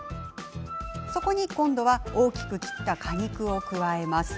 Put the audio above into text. そこに今度は大きく切った果肉を加えます。